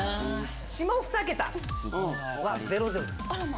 下２桁は「００」です。